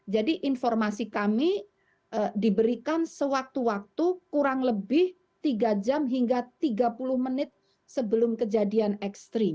jadi informasi kami diberikan sewaktu waktu kurang lebih tiga jam hingga tiga puluh menit sebelum kejadian ekstrim